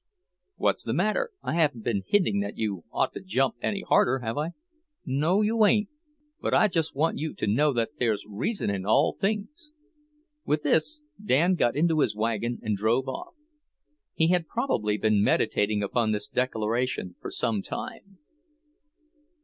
"What's the matter? I haven't been hinting that you ought to jump any harder, have I?" "No, you ain't, but I just want you to know that there's reason in all things." With this Dan got into his wagon and drove off. He had probably been meditating upon this declaration for some time.